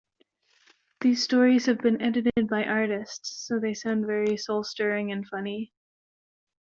These stories have been edited by artists, so they sound very soul-stirring and funny.